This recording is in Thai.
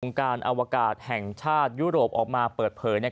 การอวกาศแห่งชาติยุโรปออกมาเปิดเผย